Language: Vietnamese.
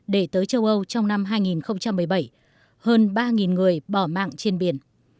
để tới châu âu trong năm hai nghìn một mươi bảy hơn ba người bỏ mạng trên biển